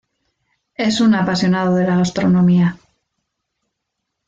Es un apasionado de la gastronomía.